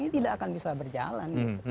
ini tidak akan bisa berjalan